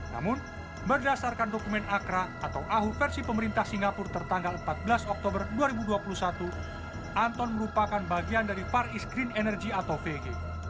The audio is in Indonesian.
namun berdasarkan dokumen akra atau ahu versi pemerintah singapura tertanggal empat belas oktober dua ribu dua puluh satu anton merupakan bagian dari par is green energy atau vg